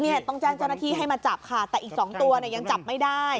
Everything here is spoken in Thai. เนี่ยต้องแจ้งเจ้าหน้าที่ให้มาจับค่ะแต่อีกสองตัวเนี่ยยังจับไม่ได้